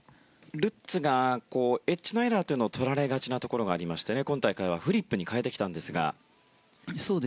ルッツがエッジのエラーをとられがちなところがありまして今大会はフリップに変えてきたんですが。